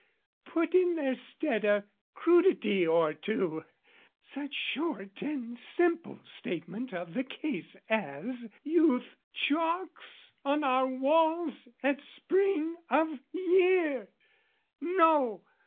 Put in their stead a crudity or two, Such short and simple statement of the case As youth chalks on our walls at spring of year! No!